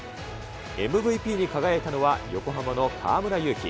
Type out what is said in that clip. ＭＶＰに輝いたのは、横浜の河村勇輝。